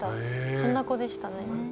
そんな子でしたね。